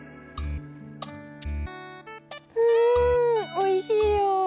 うんおいしいよ。